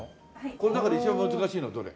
この中で一番難しいのどれ？